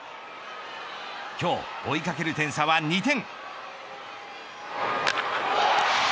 今日、追いかける点差は２点。